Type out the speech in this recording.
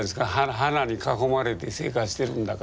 花に囲まれて生活してるんだから。